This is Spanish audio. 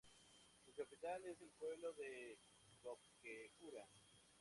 Su capital es el pueblo de Cobquecura.